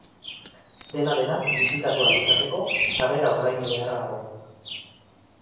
Dena dela, bisitatu ahal izateko, sarrera ordaindu beharra dago.